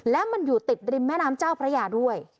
และมันอยู่ติดริมแม่น้ำเจ้าพระยาด้วย